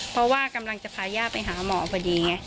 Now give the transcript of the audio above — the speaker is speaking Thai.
เพราะว่ากำลังจะพาย่าไปหาหมอพอดีไง